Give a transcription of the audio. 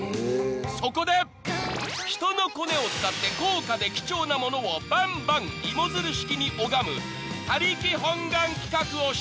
［そこで人のコネを使って高価で貴重なものをばんばん芋づる式に拝む他力本願企画を始動］